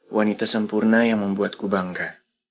wanita sempurna yang membuatku bangga